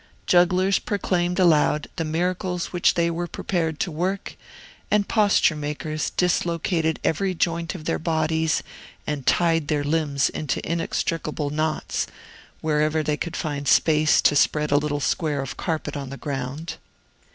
Jugglers proclaimed aloud the miracles which they were prepared to work; and posture makers dislocated every joint of their bodies and tied their limbs into inextricable knots, wherever they could find space to spread a little square of carpet on the ground.